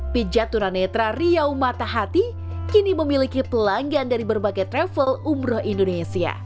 pijat tunanetra riau matahati kini memiliki pelanggan dari berbagai travel umroh indonesia